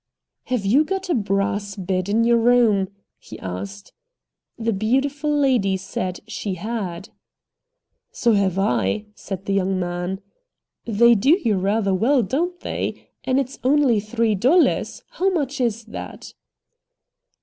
"Have you got a brass bed in your room?" he asked. The beautiful lady said she had. "So've I," said the young man. "They do you rather well, don't they? And it's only three dollars. How much is that?"